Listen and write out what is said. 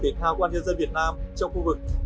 thể thao công an nhân dân việt nam trong khu vực